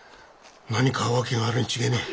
何か訳があるに違えねえ。